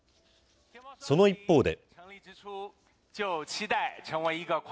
その一方で。